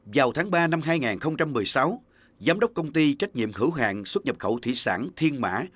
vào tháng ba năm hai nghìn một mươi sáu giám đốc công ty trách nhiệm hữu hàng xuất nhập khẩu thủy sản thiên mã